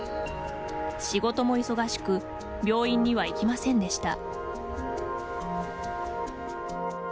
仕事も忙しく病院には行きませんでした。